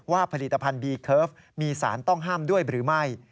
ผลิตภัณฑ์บีเคิร์ฟมีสารต้องห้ามด้วยหรือไม่